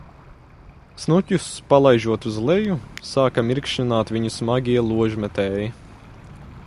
Snuķus palaižot uz leju, sāka mirkšķināt viņu smagie ložmetēji.